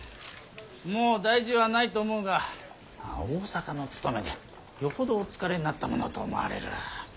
もう大事はないと思うが大坂の務めでよほどお疲れになったものと思われる。